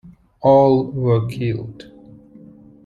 All were killed.